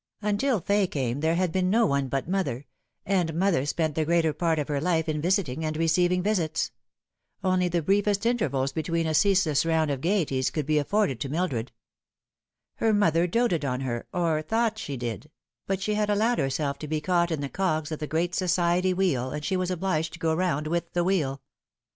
Until Fay came there had been no one but mother ; and mother spent the greater part of her life in visiting and receiving visits. Only the briefest intervals between a ceaseless round of gaieties could be afforded to Mil dred. Her mother doted on her, or thought she did ; but she had allowed herself to be caught in the cogs of the great society wheel, and she was obliged to go round with the wheel.